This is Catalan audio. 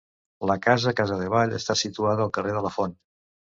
La casa Casadevall està situada al carrer de la Font.